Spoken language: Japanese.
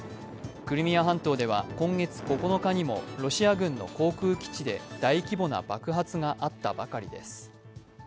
クリミア半島では、今月９日にもロシア軍の航空基地で大規模な爆発があったばかりです。